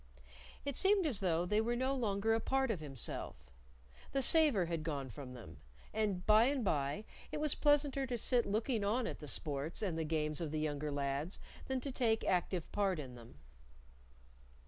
It seemed as though they were no longer a part of himself. The savor had gone from them, and by and by it was pleasanter to sit looking on at the sports and the games of the younger lads than to take active part in them.